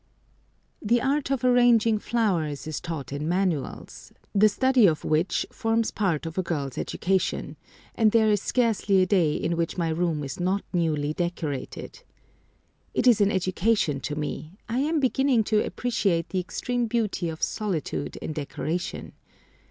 The art of arranging flowers is taught in manuals, the study of which forms part of a girl's education, and there is scarcely a day in which my room is not newly decorated. It is an education to me; I am beginning to appreciate the extreme beauty of solitude in decoration.